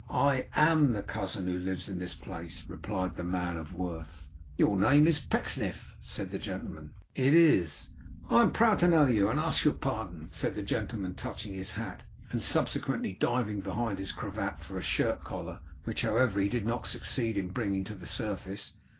'I AM the cousin who lives in this place,' replied the man of worth. 'Your name is Pecksniff?' said the gentleman. 'It is.' 'I am proud to know you, and I ask your pardon,' said the gentleman, touching his hat, and subsequently diving behind his cravat for a shirt collar, which however he did not succeed in bringing to the surface.